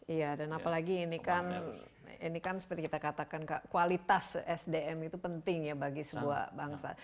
iya dan apalagi ini kan ini kan seperti kita katakan kualitas sdm itu penting ya bagi sebuah bangsa